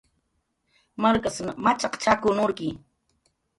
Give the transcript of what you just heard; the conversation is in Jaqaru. Markasn machaq chakw nurki